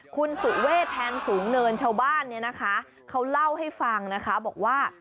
คุณสุเวทแทนสูงเนินชาวบ้านเนี่ยนะคะเขาเล่าให้ฟังนะคะบอกว่า